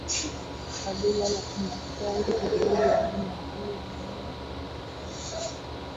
kabila la kimasai hutegemea zaidi maziwa ya ngombe nyama jibini na damu